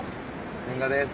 千賀です。